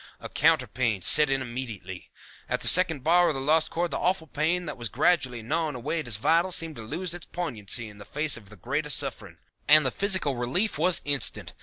A counter pain set in immediately. At the second bar of the Lost Chord the awful pain that was gradually gnawing away at his vitals seemed to lose its poignancy in the face of the greater suffering, and physical relief was instant.